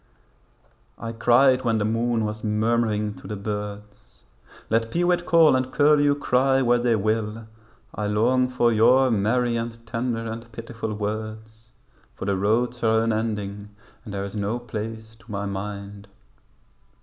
I cried when the moon was murmuring to the birds, 'Let peewit call and curlew cry where they will, I long for your merry and tender and pitiful words, For the roads are unending and there is no place to my mind.'